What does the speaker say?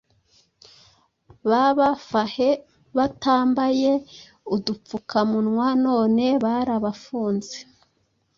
Baba fahe batambaye udupfuka munwa none barabafunze